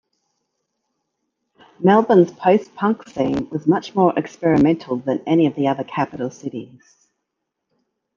Melbourne's post-punk scene was much more experimental than any of the other capital cities.